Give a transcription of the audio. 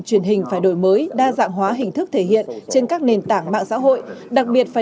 truyền hình phải đổi mới đa dạng hóa hình thức thể hiện trên các nền tảng mạng xã hội đặc biệt phải